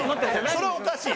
それはおかしい。